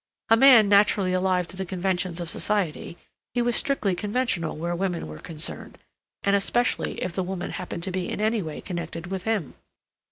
A man naturally alive to the conventions of society, he was strictly conventional where women were concerned, and especially if the women happened to be in any way connected with him.